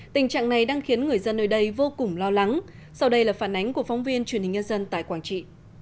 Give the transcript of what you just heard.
tình trạng này đang khiến người dân nơi đây vô cùng lo lắng sau đây là phản ánh của phóng viên truyền hình nhân dân tại quảng trị